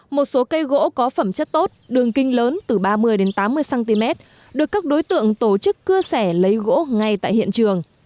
một số cây gỗ có phẩm chất tốt đường kinh lớn từ ba mươi tám mươi cm được các đối tượng tổ chức cưa sẻ lấy gỗ ngay tại hiện trường